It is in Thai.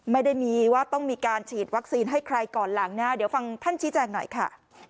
ไม่ได้มีว่าต้องมีการฉีดวัคซีนให้ใครก่อนหลังนะเดี๋ยวฟังท่านชี้แจงหน่อยค่ะ